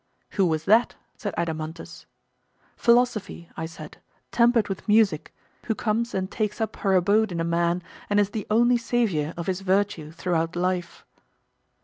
Who was that? said Adeimantus. Philosophy, I said, tempered with music, who comes and takes up her abode in a man, and is the only saviour of his virtue throughout life.